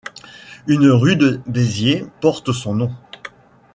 Une rue de Béziers porte son nom.